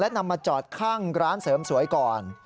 นำมาจอดข้างร้านเสริมสวยก่อน